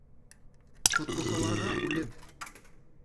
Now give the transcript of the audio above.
— Ҡотҡосоларға үлем!!!